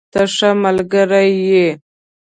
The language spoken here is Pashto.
ته ښه ملګری یې.